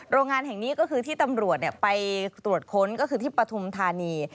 โรงงานแห่งนี้ก็คือที่ตำรวจไปตรวจค้นก็คือที่ปฐุมธานี